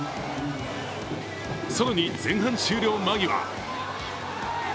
更に前半終了間際。